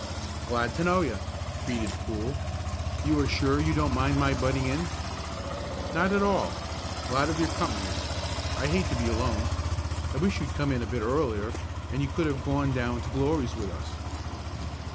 "Glad to know you," greeted Poole. "You are sure you don't mind my butting in?" "Not at all. Glad of your company. I hate to be alone. I wish you'd come in a bit earlier, and you could have gone down to Glory's with us."